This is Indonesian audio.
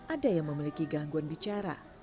ada yang memiliki gangguan bicara